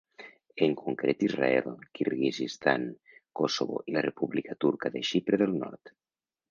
En concret Israel, Kirguizistan, Kosovo i la República Turca de Xipre del Nord.